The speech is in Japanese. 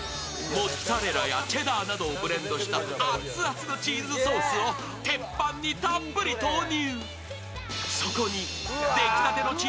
モッツァレラやチェダーなどをブレンドした熱々のチーズソースを鉄板にたっぷり投入。